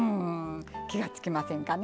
気が付きませんかね？